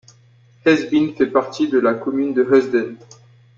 Heesbeen fait partie de la commune de Heusden.